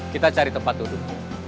kita cari tempat duduk